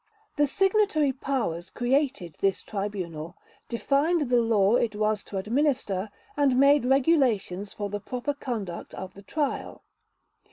The Signatory Powers created this Tribunal, defined the law it was to administer, and made regulations for the proper conduct of the Trial.